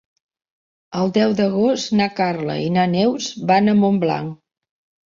El deu d'agost na Carla i na Neus van a Montblanc.